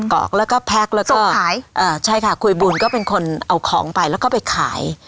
กรอกแล้วก็ส่งขายเอ่อใช่ค่ะคุยบูลก็เป็นคนเอาของไปแล้วก็ไปขาย